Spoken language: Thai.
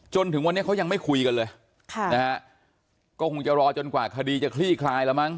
จนถึงวันนี้เขายังไม่คุยกันเลยค่ะนะฮะก็คงจะรอจนกว่าคดีจะคลี่คลายแล้วมั้